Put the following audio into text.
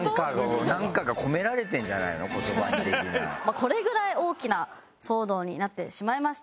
これぐらい大きな騒動になってしまいました。